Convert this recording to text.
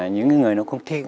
những người nó không thích